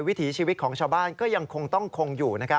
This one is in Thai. วิถีชีวิตของชาวบ้านก็ยังคงต้องคงอยู่